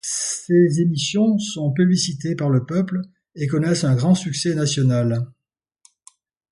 Ces émissions sont plébiscitées par le peuple et connaissent un grand succès national.